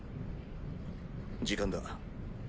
時間だ。